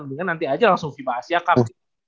mendingan nanti aja langsung fiba asia cup